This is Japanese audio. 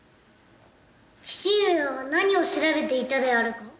父上は何を調べていたであるか？